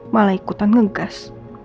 malah ikutan ngegas